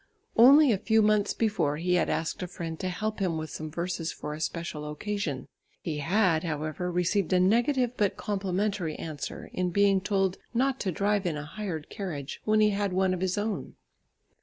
Only a few months before he had asked a friend to help him with some verses for a special occasion. He had, however, received a negative but complimentary answer, in being told not to drive in a hired carriage, when he had one of his own.